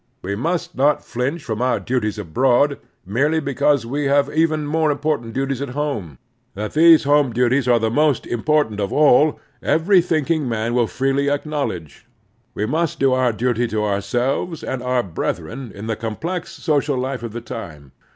We must not flinch from our duties abroad merely because we have even more important duties at home. That these home duties are the most important of all every thinking man will freely acknowledge. We must do our duty to ourselves and our brethren in the complex social life of the time.